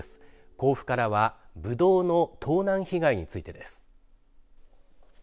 甲府からはぶどうの盗難被害についてです。